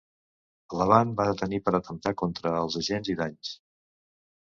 La van va detenir per atemptat contra els agents i danys.